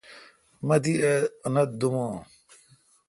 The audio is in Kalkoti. مہ تی انت دوم اں